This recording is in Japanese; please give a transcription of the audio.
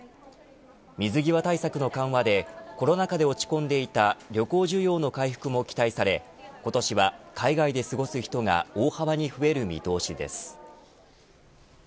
水際対策の緩和でコロナ禍で落ち込んでいた旅行需要の回復も期待され今年は海外で過ごす人が大幅に増える見通しです。